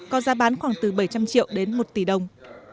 có giá bán khoảng từ bảy trăm linh triệu đến một tỷ đồng